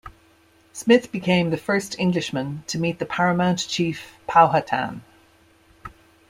Smith became the first Englishman to meet the paramount chief Powhatan.